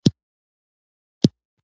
دا کسان د جوماتونو امامان دي.